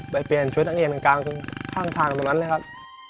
ไปเปลี่ยนชุดอังเอียนกลางทางตรงนั้นเลยครับ